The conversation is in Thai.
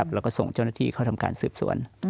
แล้วก็ส่งเจ้าหน้าที่เข้าทำการสืบสวน